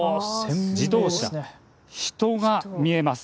自動車、人が見えます。